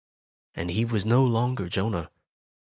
And he was no longer Jonah.